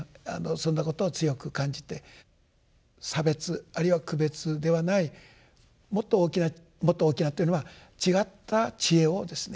そんなことを強く感じて差別あるいは区別ではないもっと大きなもっと大きなというのは違った智慧をですね